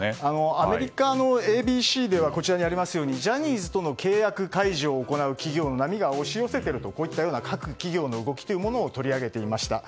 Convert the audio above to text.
アメリカのＡＢＣではジャニーズとの契約解除を行う企業の波が押し寄せているという各企業の動きを取り上げていました。